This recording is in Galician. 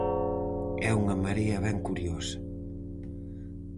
É unha marea ben curiosa.